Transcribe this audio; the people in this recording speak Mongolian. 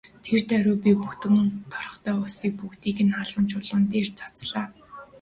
Тэр даруй би бүтэн торхтой усыг бүгдийг нь халуун чулуунууд дээр цацлаа.